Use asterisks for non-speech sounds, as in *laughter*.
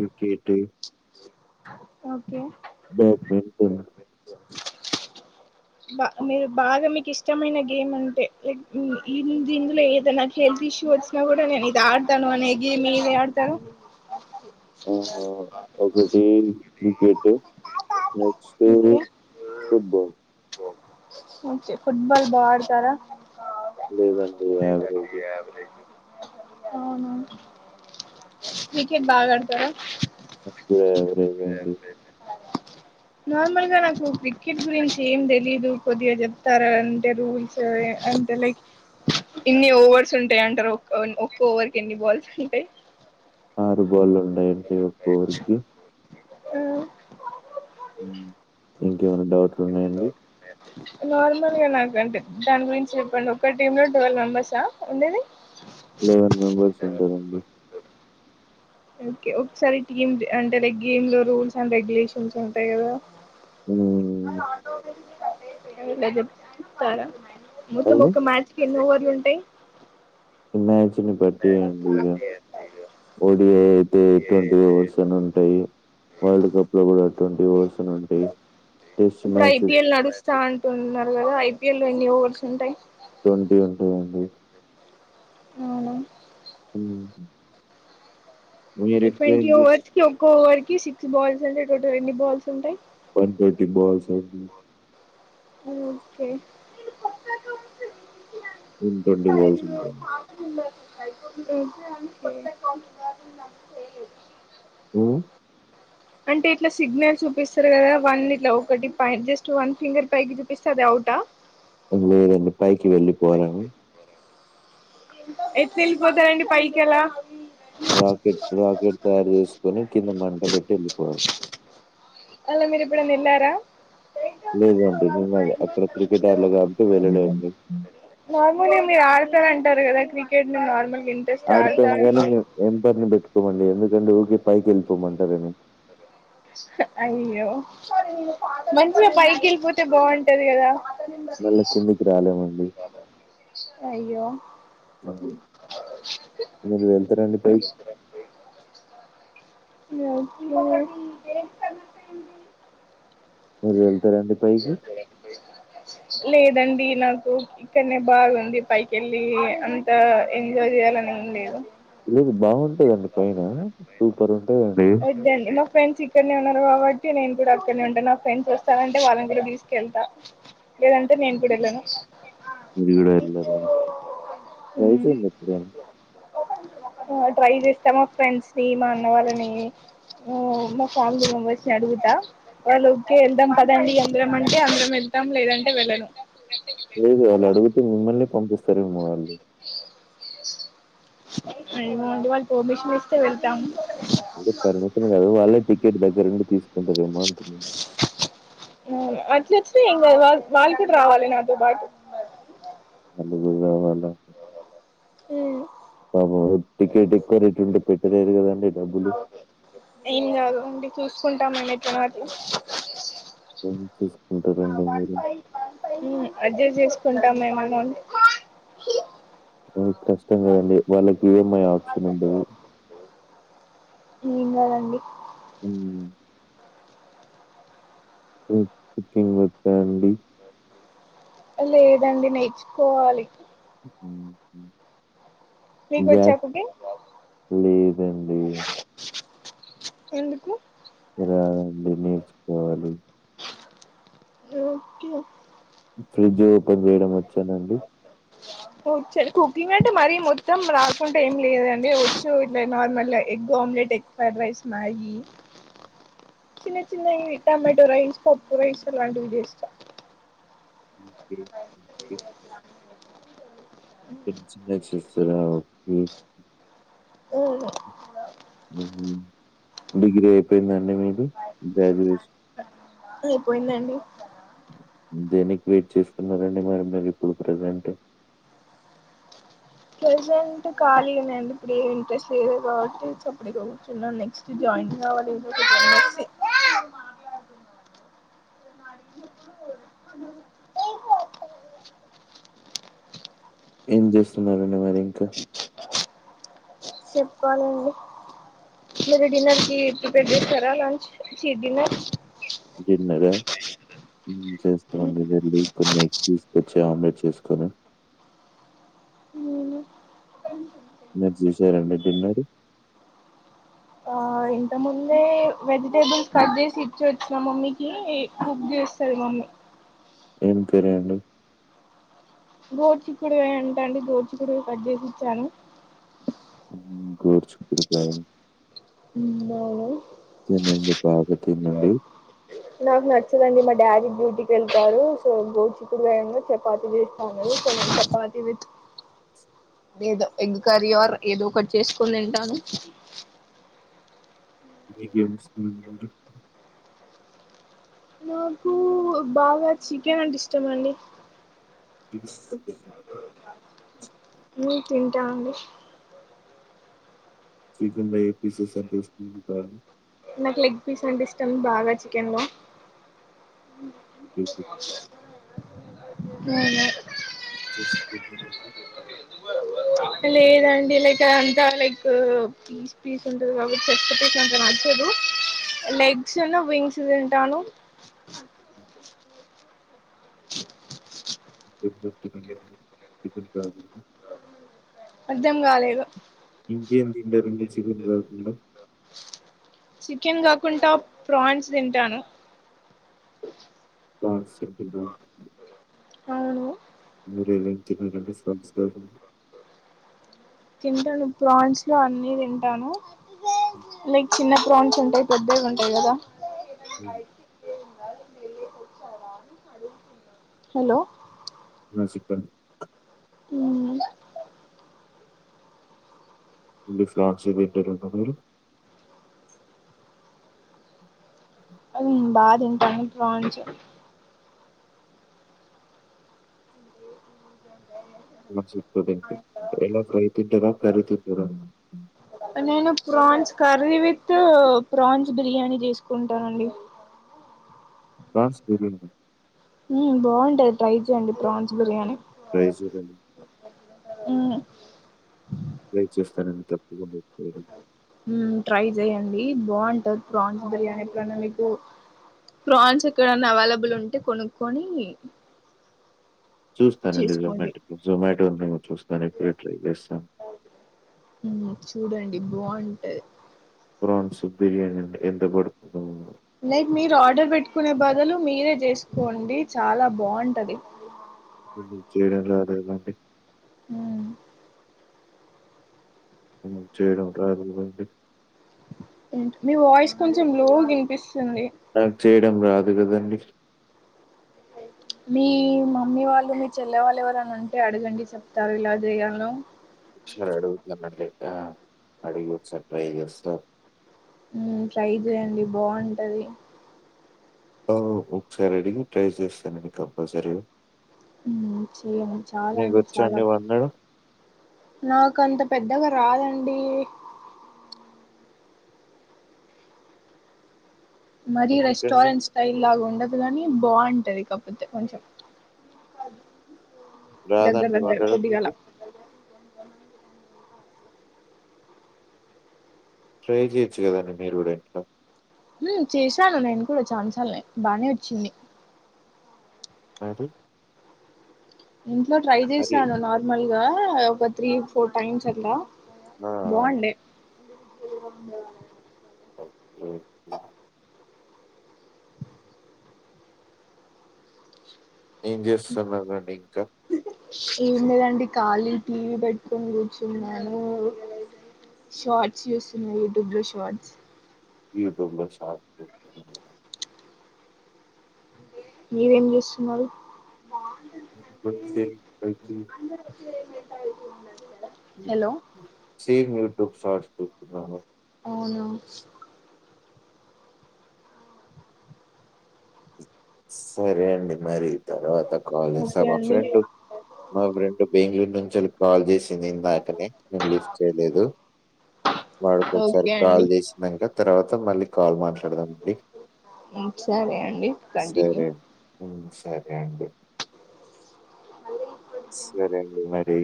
ఇంకేటి ఓ బ్యాడ్మింటన్ *inaudible* బా మీ మీరు బాగా మీకు ఇష్టమైన గేమ్ అంటే లైక్ మీ ద ఇందులో ఏదనాల్ ఇష్యూ వచ్చిన కూడా నేను ఇది ఆడతాను అని గేమ్ ఏ మేర ఆడతారు ఆహ ఒకటి cricket next okay football okay football బా ఆడతారా లేదండి యావరేజ్ అవునా క్రికెట్ బాగా ఆడతార బిలో యావరేజ్ అండి అ *unintelligible* నార్మల్ గా నాకు క్రికెట్ గురించి ఏం తెలీదు కొద్దిగా చెప్తారా అంటే రూల్స్ ఆ అంటలైక్ ఎన్ని ఓవర్స్ ఉంటాయి అంటారు ఒ ఒక్క ఓవర్ కి ఎన్ని బాల్స్ ఉంటాయి ఆరు బాళ్ళు ఉంటాయండి ఒక్కొ ఓవర్కి ఆ, ఇంకేమన్న డౌట్లు ఉన్నాయండి నార్మల్ గా నాకు అంటే దాని గురించి చెప్పండి ఒక టీమ్ లో ట్వెల్వ్ మెంబెర్సా ఉండేది లెవెన్ మెంబర్స్ ఉంటారండి ఓకే ఒకసారి టీమ్ అంటే లైక్ గేమ్ లో రూల్స్ అండ్ రెగ్యులేషన్స్ ఉంటాయి కదా హ్మ్ ఏమన్నా చెప్తారా మొత్తం అండి? ఒక్క మ్యాచ్ కి ఎన్ని ఓవర్ లుంటాయ్ ఏమాజ్ *inaudible* ఓడి అయితే ట్వంటీ ఓవర్స్ అని ఉంటాయి వరల్డ్ కప్ లో కూడా ట్వంటీ ఓవర్స్ అని ఉంటాయి టెస్ట్ ఇప్పుడు మ్యాచెస్ ఐపిఎల్ నడుస్తా అంటున్నారు కదా ఐపీఎల్ లో ఎన్ని ఓవర్స్ ఉంటాయి ట్వంటీ ఉంటాయండి అవునా హ్మ్. మీరెక్కువ ఏం ట్వంటీ చూస్ ఓవర్స్ కి ఒక్క ఓవర్ కి సిక్స్ బాల్స్ అంటే టోటల్ ఎన్ని బాల్స్ ఉంటాయి వన్ ట్వంటీ బాల్స్ ఓకే సరే బాల్స్ ఉంటుంది. మాత్ర *inaudible* అదు *unintelligible* హ్మ్ అంటే ఇట్లా సిగ్నల్ చూపిస్తారు కదా వన్ ఇట్లా ఒకటి పై జస్ట్ వన్ ఫింగర్ పైకి చూపిస్తే అది అవ్ ట లేదండి పైకి వెళ్ళిపోవాలని ఎట్లా వెళ్ళిపోతారండి పైకి అలా రాకెట్ రాకెట్ తయారు చేసుకొని కింద మంట పెట్టి వెళ్ళిపోవాలి అలా మీరు ఎప్పుడన్న ఎల్లారా లేదండి నేను అక్కడ క్రికెట్ ఆడలే కాబట్టి వెళ్ళలేండి నార్మలీ మీరు ఆడుతారంటారు కదా క్రికెట్ నార్మల్ ఆడుతాం కానీ మీమ్ ఎంపెయిర్ను పెట్ కొమండి ఎందుకంటే ఊకే పైకి వెళ్ళిపోమంటారని అయ్యో మంచిగా పైకి వెళ్ళిపోతే బాగుంటది కదా మళ్ళా కిందికి రాలేమండి అయ్యో మీరు వెళ్తారా అండి పై *unintelligible* *unintelligible* పైకి? లేదండి నాకు ఇక్కడనే బాగుంది పైకి వెళ్ళి అంత ఎంజాయ్ చేయాలని ఏం లేదు లేదు బాగుంటదండి పైన సూపరు వద్దండీ మా ఫ్రెండ్స్ ఇక్కడనే ఉన్నారు కాబట్టి నేను కూడా అక్కడనే ఉంటా నా ఫ్రెండ్స్ వస్తానంటే వాళ్ళని గూడా తీసుకెళ్తా లేదంటే నేను కూడా వెళ్ళను *unintelligible* ట్రై మ్మ్. చేయండి ఇప్పుడైనా ఆ ట్రై చేస్తా మా ఫ్రెండ్స్ ని మా అన్న వాళ్ళని ఉ మా ఫ్యామిలీ మెంబర్స్ ని అడుగుతా వాళ్ళ ఓకే వెళ్దాం పదండి అందరం అంటే అందరం వెళ్తాం లేదా ంటే వెళ్ళను లేదు వాళ్లు అడుగుతే మిమ్మల్ని పంపిస్తారు ఏమో ఏమో అండి వాళ్ళు పర్మిషన్ ఇస్తే వెళ్తాం పర్మిషన్ కాదు వాళ్ళే టికెట్ దగ్గరుండి తీసుకుంటరేమో అంటున్నా అట్ల వచ్చినా ఏం కాదు వాళ్ళు కూడా రావాలి నాతో పాటు ఎందుకు రావలే ఉ ఆ టికెట్ ఎక్కువ రేటు ఉంటే పెట్టలేరు కదండీ ఏం కాదు అంటే చూసుకుంటాం *unintelligible* *unintelligible* చూసు ఉ అడ్జస్ట్ చేసుకుంటాం మేం అందరం కష్టం కదండి వాళ్ళకి ఇ ఏం ఐ ఓప్షన్ ఉండదు ఏం కాదండి ఉ కు కుకింగ్ వచ్చా అండి లేదండి నేర్చుకోవాలి ఉ మీకు హ వచ్చా గ్యాస్ కుకింగ్ లేదండి ఎందుకు రాదండి నేర్చుకోవాలి ఓకే ఫ్రిడ్జ్ ఓపెన్ చేయడం వచ్చానండి వచ్చండి కుకింగ్ అంటే మరీ మొత్తం రాకుంట ఏం లేదండి వచ్చు ఇట్లా నార్మల్గా egg omelette egg fry rice Maggi ఉ చిన్న చిన్నవి ఎగ్ ఆమ్లెట్ రైస్ పప్పు రైస్ అలాంటివి చేస్తా ఓకే. ఎక్సప్రెస్ చూస్తారా ఊ ఆ ఊ హ్ డిగ్రీ అయిపోందా అయిపోయిందండి దేనికి వెయిట్ చేస్తున్నారండి మరి మీరు ఇప్పుడు ప్రజెంట్ ప్రెసెంట్ కాలీనే అండి ఇప్పుడు ఏది ఇంట్రెస్ట్ లేదు కాబట్టి చప్పుడేక కూర్చున్న నెక్స్ జ మంచి కావాలి ఏ ఏం చేస్తున్నారండి మరి ఇంకా చెప్పుకోవాలండి మీరు డినర్ కి ప్రిపేర్ చేసుస్తారా లంచ చి డిన్నర్ డిన్నర హ్మ్ చేస్తా అండి వెళ్ళి కొన్ని ఎగ్స్ టెస్కొచ ఆమ్ చేసుకొని హ్మ్ మీరు చేశారా అండి డిన్నరు ఆ ఇంత ముందే వెజిటేబుల్స్ కట్ చేసి ఇచ్చి వచ్చిన మమ్మకి కుక్ చేస్తది మమ్మీ ఏం కర్రి అండి గోడ్చిక్కుడికాయ అంట అండి గోద్చికుడికయ కట్ చేసి ఇచ్చాను గోడ్చికుడుకాయ హ్మ్ అవును తినండి బాగా తినండి నాకు నచ్చదండి మా డాడీ డూటీకి వెళ్తాడు సో గోచికుడుగాయన్నా చపాతి చేస్తాది సో చపాతీ విత్ ఏదో ఎగ్ కర్రీ ఆర్ ఏదో ఒకటి చేసుకొని తింటాను మీకు ఏం ఇష్టం అండి నాకు బాగా చికెన్ అంటే ఇష్టం అండి ఓకే హ్మ తింటా అండి చికెన్ లో ఏం పీసెస్ అంటే ఇష్టం ఇంకా నాకు లెగ్ పీస్ అంటే ఇష్టం బాగా చికెన్ లో చికెన్ అవునా చెస్ట్ *unintelligible* లేదండి లైక్ అదంతా లైక్ పీస్ పీస్ ఉంటది కాబట్టి చెస్ట్ పీస్ అంత నచ్చ దు లెగ్స్ ను వింగ్స్ తింటాను *unintelligible* అర్ధం కాలేదు ఇంకేం తిన్నారు అండి చికెన్ కాకుండా చికెన్ కాకుండా ప్రాన్స్ తింటాను ప్రాన్స్ *unintelligible* అవును మీరు ఏం ఏం తిన్నారు అండి ప్రాన్స్కరీ తింటాను ప్రాన్స్ లో అన్ని తింటాను లైక్ చిన్న ప్రాన్స్ ఉంటాయి పెద్దవి ఉంటాయి కదా హ్మ హలో *unintelligible* హ్మ ఓన్లీ ప్రాన్స్ ఏ తింటారా అండి మీరు హ్మ బా తింట ప్రాన్స్ *unintelligible* ఎలా ఫ్రై తింటార కర్రి తింటార నేను prawns curry with prawns biryani తీసుకుంటానండి ప్రాన్స్ కర్రీ నా హ్మ్ బాగుంటది ట్రై చేయండి ప్రాన్స్ హ్మ్ బిర్యానీ ఫ్రైస్ కర్రీ హ్మ ట్రై చేస్తానండి తప్ప హ్మ ట్రై చేయండి డి బంటాది ప్రాన్స్ బిర్యానీ ఎప్పుడన్న మీకు ప్రాన్స్ ఎక్కడన్నా అవైలబుల్ ఉంటే కొనుక్కొని చూస్తానండి చేసుకోండి జొమాటోకి జొమాటో ఉందేమో చూస్తాను ఇప్పుడే ట్రై చేస్తాను హ్మ్మ్ చూడండి బాగుంటది ప్రాన్స్ బిర్యానీ అండి ఎంత పడతదో లైక్ మీరు ఆర్డర్ పెట్టుకునే బదులు మీరే చేసుకోండి చాలా బాగుంటది *inaudible* చేయడం రాద ఎలా అండి అ చేయడం రాదుకదాండి ఏంట మీ వాయిస్ కొంచెం లోగ నిపిస్తుంది రాదుకాదండి మీ మమ్మీ వాళ్ళు మీ చెల్లె వాళ్ళు ఎవరేనా ఉంటే అడగండి చెప్తారు ఎలా చేయాలో ఒకసారి అడుగుతానండి. ఆ అడిగి ఒకసారి ట్రై చేస్తా హ్మ్ ట్రై చేయండి బాగుంటది ఒకసారి అడిగి ట్రై చేస్తానండి కంపల్సరీ ఉమ్, చేయండి చాలా మీకు వొచ్చాండి వండడం నాక అంత పెద్దగా రాదండి మరీ ఎందుకండి? రెస్టోరెంట్ స్టైల్ లాగా ఉండదు అప్పుడుకని బాగుంటది కాపోతే కొంచెం దగ్గర రాదండి దగ్గర వండడం కొద్దిగాల మీకు? ట్రై చేయొచ్చు కదా అండి మీరు కూడా ఇంట్లో చేశాను నేను కూడా చాలాసార్లు బానే వచ్చింది అది ఇంట్లో ట్రై చేశాను నార్మల్ గా ఒక త్రీ ఫోర్ టైమ్స్ అట్లా ఆ! బొండే ఆ! ఓకే. ఏం చేస్తున్నారండి ఇంకా ఏం లేదండి ఖాళీ టీవీ పెట్టుకొని కూర్చున్నాను షార్ట్స్ చూస్తున్నా యూట్యూబ్ లో షార్ట్స్ యూట్యూబ్ లో షార్ట్స్ చూస్తున్నారా మీరేం చేస్తున్నారు గుర్తేచేకండి హలో సేమ్ యూట్యూబ్ షార్ట్స్ చూస్తున్న అవునా సరే అండి మరి తర్వాత కాల్ చేస్తే ఓకే మా అండి ఫ్రెండ్ నలుగుయింటికి ఈవినింగ్ కాల్ చేసి నేనిందకనే నేను లిఫ్ట్ చేయలేదు వాడికొకసారి ఓకే కాల్ అండి చేసినక తర్వాత మళ్ళీ కాల్ మాట్లాడదామండి సరే అండి కంటిన్యూ సరే హ్మ్ సరే అండి సరే అండి మరి